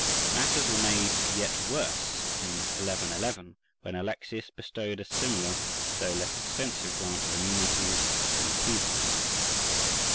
Matters were made yet worse in 1111, when Alexius bestowed a similar, though less extensive, grant of immunities on the Pisans.